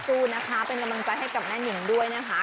สู้นะคะเป็นกำลังใจให้กับแม่นิงด้วยนะคะ